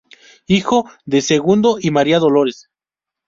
Hijo de Segundo y María Dolores.